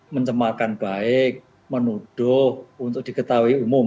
mencemarkan baik menuduh untuk diketahui umum